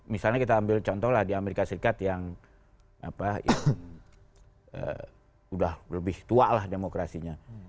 misalnya kita ambil contoh lah di amerika serikat yang udah lebih tua lah demokrasinya